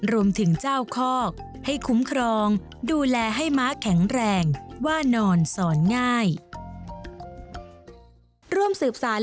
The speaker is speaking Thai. รวมถึงเจ้าคอกให้คุ้มครองดูแลให้ม้าแข็งแรงว่านอนสอนง่าย